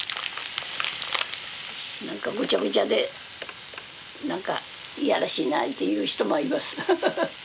何かぐちゃぐちゃで何か嫌らしいなっていう人もいます。